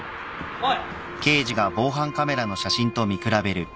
おい！